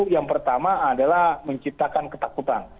yang pertama adalah menciptakan ketakutan